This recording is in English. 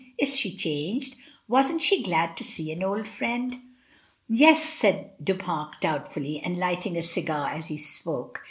Is she changed? Wasn't she glad to see an. old friend?" "Yes," said Du Pare, doubtfully, and lighting a cigar as he spoke.